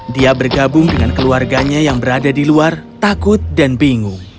dia bergabung dengan keluarganya yang berada di luar takut dan bingung